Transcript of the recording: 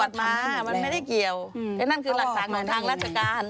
มันไม่ได้เกี่ยวเห็นนั่นคือหลักภัณฑ์ทางรัชกาล